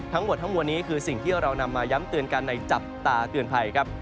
ทั้งหมดทั้งมวลนี้คือสิ่งที่เรานำมาย้ำเตือนกันในจับตาเตือนภัยครับ